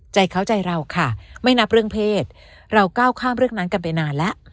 ใจเขาใจเราค่ะไม่นับเรื่องเพศเราก้าวข้ามเรื่องนั้นกันไปนานแล้ว